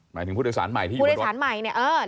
หมายถึงผู้โดยสารใหม่ที่อยู่บนรถ